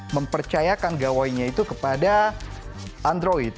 mempercayakan gawainya itu kepada android